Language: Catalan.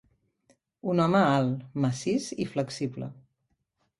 Un home alt, massís i flexible.